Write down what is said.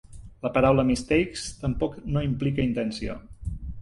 La paraula "mistakes" tampoc no implica intenció.